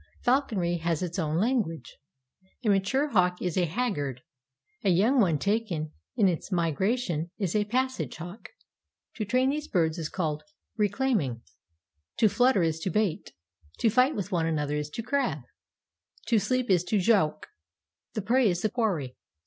Falconry has its own language. A mature hawk is a haggard ; a young one taken in its migra tion is a passage hawk. To train these birds is called reclaim ing ; to flutter is to bait ; to fight with one another is to crab ; to sleep is to jouk ; the prey is the quarry.